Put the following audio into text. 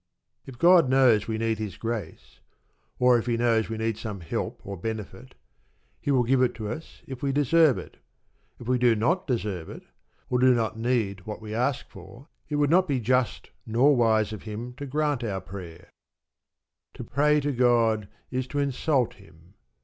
If God knows we need His grace, or if He knows we need some help or benefit, He will give it to us if we deserve it. If we do not deserve it, or do not need what we ask for, it would not be just nor wise of Him to grant our prayer. To pray to God is to insult Him.